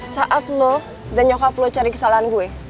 saat lo dan nyokap lo cari kesalahan gue